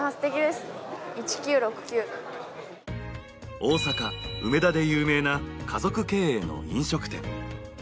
大阪・梅田で有名な家族経営の飲食店。